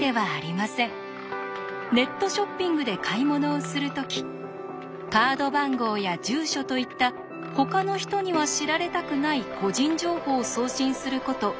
ネットショッピングで買い物をする時カード番号や住所といったほかの人には知られたくない個人情報を送信することありますよね？